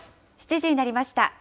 ７時になりました。